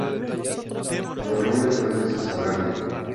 Se reúne tres veces al año.